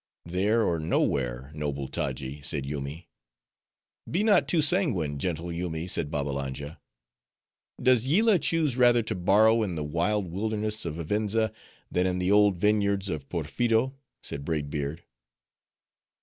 "There or nowhere, noble Taji," said Yoomy. "Be not too sanguine, gentle Yoomy," said Babbalanja. "Does Yillah choose rather to bower in the wild wilderness of Vivenza, than in the old vineyards of Porpheero?" said Braid Beard.